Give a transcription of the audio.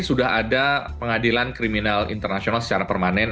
sudah ada pengadilan kriminal internasional secara permanen